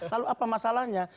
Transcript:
lalu apa masalahnya